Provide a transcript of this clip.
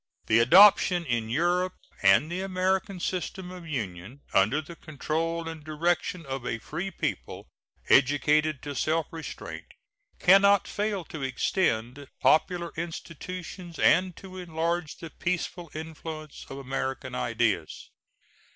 The adoption in Europe of the American system of union under the control and direction of a free people, educated to self restraint, can not fail to extend popular institutions and to enlarge the peaceful influence of American ideas.